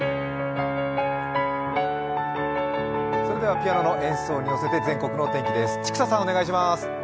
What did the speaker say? ピアノの演奏に乗せて、全国のお天気です。